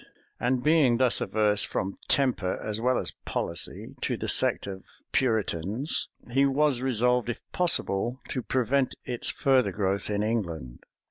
And being thus averse, from temper as well as policy, to the sect of Puritans, he was resolved, if possible, to prevent its further growth in England.